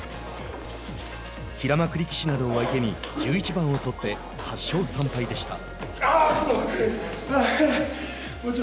平幕力士などを相手に１１番を取って８勝３敗でした。